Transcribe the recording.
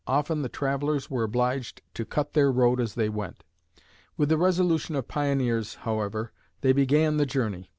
Often the travellers were obliged to cut their road as they went. With the resolution of pioneers, however, they began the journey.